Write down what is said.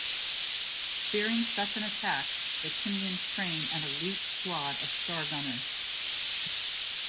Fearing such an attack the Ytimians train an elite squad of Stargunners.